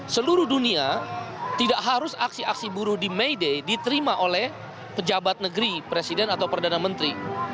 seluruh dunia tidak harus aksi aksi buruh di may day diterima oleh pejabat negeri presiden atau perdana menteri